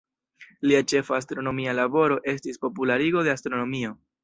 Lia ĉefa astronomia laboro estis popularigo de astronomio.